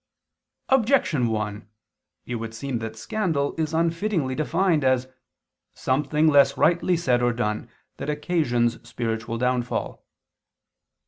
Objection 1: It would seem that scandal is unfittingly defined as "something less rightly said or done that occasions spiritual downfall."